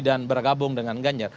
dan bergabung dengan ganjar